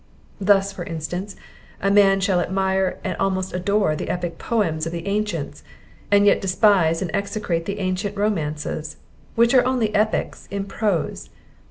Thus, for instance, a man shall admire and almost adore the Epic poems of the Ancients, and yet despise and execrate the ancient Romances, which are only Epics in prose.